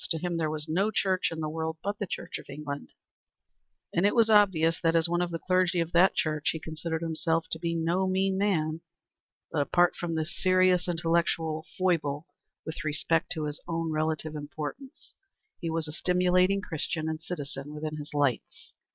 To him there was no Church in the world but the Church of England, and it was obvious that as one of the clergy of that Church he considered himself to be no mean man; but apart from this serious intellectual foible with respect to his own relative importance, he was a stimulating Christian and citizen within his lights.